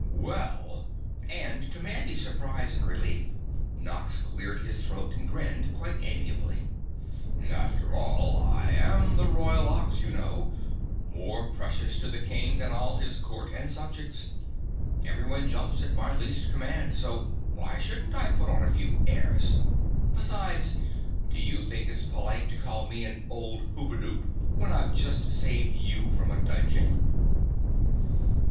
"Well," and to Mandy's surprise and relief, Nox cleared his throat and grinned quite amiably, "after all I AM the Royal Ox, you know, more precious to the King than all his court and subjects. Everyone jumps at my least command, so why shouldn't I put on a few airs? Besides do you think it's polite to call me an old Hoopadoop when I've just saved you from a dungeon?"